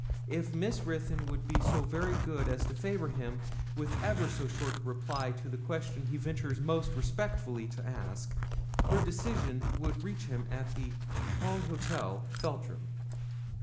If Miss Ruthyn would be so very good as to favour him with ever so short a reply to the question he ventures most respectfully to ask, her decision would reach him at the Hall Hotel, Feltram.'